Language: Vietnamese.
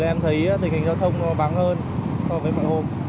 thì em thấy tình hình giao thông nó vắng hơn so với mọi hôm